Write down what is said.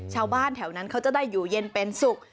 ชาวบ้านแถวนั้นเขาจะได้อยู่เย็นเป็นสุข